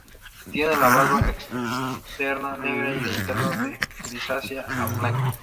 Tienen la barba externa negra y la interna de grisácea a blanca.